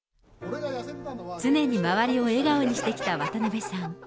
常に周りを笑顔にしてきた渡辺さん。